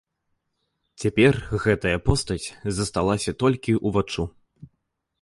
Цяпер гэтая постаць засталася толькі ўваччу.